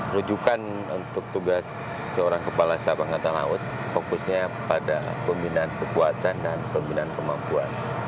rujukan untuk tugas seorang kepala staf angkatan laut fokusnya pada pembinaan kekuatan dan pembinaan kemampuan